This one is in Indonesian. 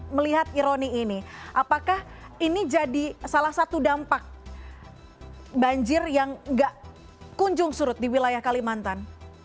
melihat ironi ini apakah ini jadi salah satu dampak banjir yang nggak kunjung surut di wilayah kalimantan